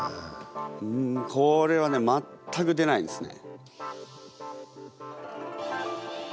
うんこれはね全く出ないですね。